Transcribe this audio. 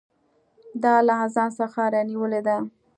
دا له اذان څخه رانیولې ده.